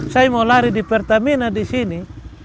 saya mau lari di pertamina di sini